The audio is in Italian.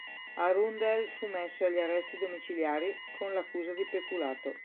Arundel fu messo agli arresti domiciliari con l'accusa di peculato.